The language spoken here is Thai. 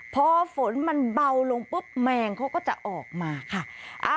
พอฝนมันเบาลงปุ๊บแมงเขาก็จะออกมาค่ะ